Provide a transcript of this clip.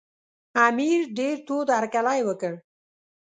امیر ډېر تود هرکلی وکړ.